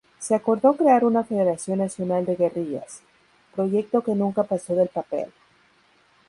Se acordó crear una Federación Nacional de Guerrillas, proyecto que nunca pasó del papel.